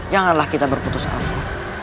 janganlah kita berputus asa